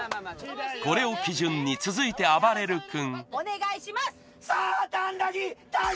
これを基準に続いてあばれる君お願いします